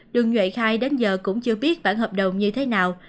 đường nhuệ khai đến giờ cũng chưa biết bản hợp đồng như thế nào